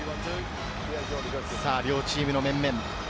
両チームの面々。